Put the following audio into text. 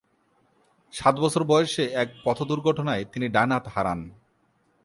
সাত বছর বয়সে এক পথ দুর্ঘটনায় তিনি ডান হাত হারান।